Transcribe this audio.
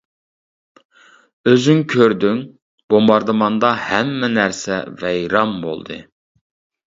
-ئۆزۈڭ كۆردۈڭ، بومباردىماندا ھەممە نەرسە ۋەيران بولدى.